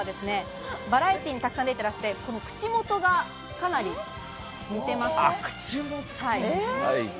バラエティーにたくさん出ていらして、口元がかなり似ていますね。